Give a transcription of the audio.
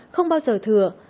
không bao giờ thừa